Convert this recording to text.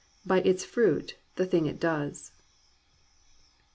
By its fruit, the thing it does